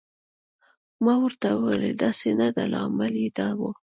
ما ورته وویل: داسې نه ده، لامل یې دا و.